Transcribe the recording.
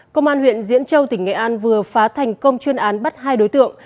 công an huyện diễn châu tỉnh nghệ an vừa phá thành công chuyên án bắt hai đối tượng